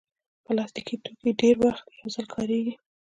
پلاستيکي توکي ډېری وخت یو ځل کارېږي.